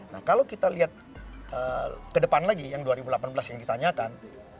nah kalau kita lihat ke depan lagi yang dua ribu delapan belas yang ditanyakan